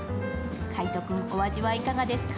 海音君、お味はいかがですか？